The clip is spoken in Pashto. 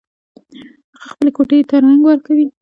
هغه خپلې کوټۍ ته رنګ ورکوي